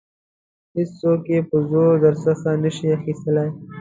هیڅوک یې په زور درڅخه نشي اخیستلای.